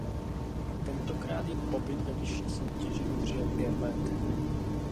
Tentokrát jim pobyt ve vyšší soutěži vydržel pět let.